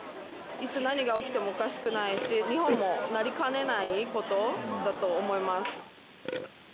いつ何が起きてもおかしくないし、日本もなりかねないことだと思います。